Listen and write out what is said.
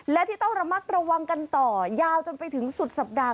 และที่ต้องระมัดระวังกันต่อยาวจนไปถึงสุดสัปดาห